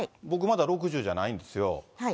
僕まだ６０じゃないんですよ。